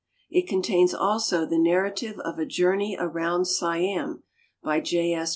It contains also the narrative of a Journey around Siam, by J. S.